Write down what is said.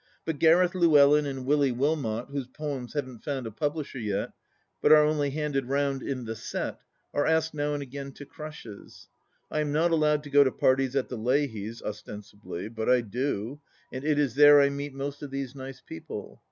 But Gareth Llewellyn and Willie Wilmot, whose poems haven't found a publisher yet, but are only handed round in the set, are asked now and again to crushes. I am not allowed to go to parties at the Leahys', ostensibly, but I do, and it is there I meet most of these nice people.